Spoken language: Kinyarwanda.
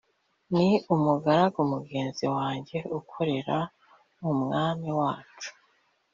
ni umugaragu mugenzi wanjye ukorera mu Mwami wacu